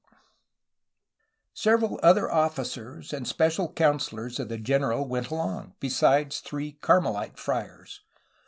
^ Several other officers and special counselors of the general went along, besides three Carmelite friars.